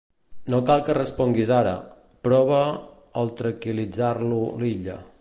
No cal que responguis ara —prova el tranquil·litzar-lo l'Illa—.